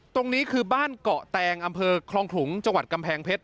ตรงนี้คือบ้านเกาะแตงอำเภอคลองขลุงจังหวัดกำแพงเพชร